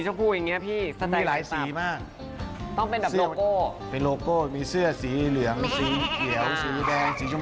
ต้องฟ้อนด้วยพนักงานต้องร้องเบียงเงิน